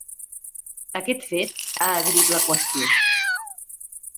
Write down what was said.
Aquest fet ha agrit la qüestió.